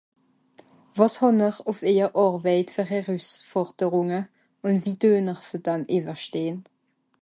Was han'r uf Éier Aarwëit fer Herüsforderunge un wie düen'r se dann iwerschtehn?